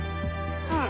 うん。